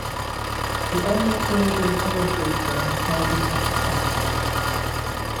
He only appeared in Urdu films made in Pakistan.